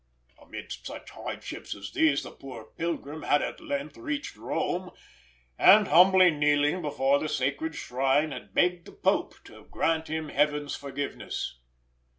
Amidst such hardships as these the poor pilgrim had at length reached Rome, and humbly kneeling before the sacred shrine, had begged the Pope to grant him Heaven's forgiveness.